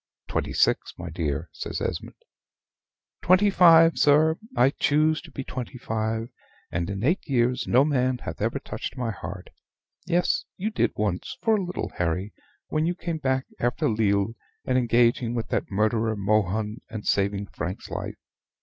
"Twenty six, my dear," says Esmond. "Twenty five, sir I choose to be twenty five; and in eight years no man hath ever touched my heart. Yes you did once, for a little, Harry, when you came back after Lille, and engaging with that murderer Mohun, and saving Frank's life.